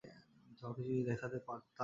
তোমাকে যদি দেখাতে পারতাম!